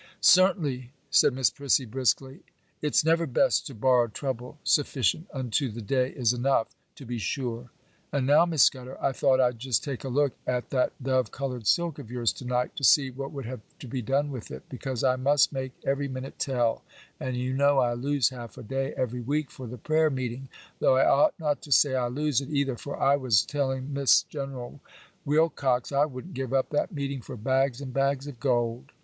'Certainly,' said Miss Prissy, briskly, 'it's never best to borrow trouble; "sufficient unto the day" is enough, to be sure. And now, Miss Scudder, I thought I'd just take a look at that dove coloured silk of yours to night, to see what would have to be done with it, because I must make every minute tell, and you know I lose half a day every week for the prayer meeting. Though I ought not to say I lose it, either, for I was telling Miss General Wilcox I wouldn't give up that meeting for bags and bags of gold.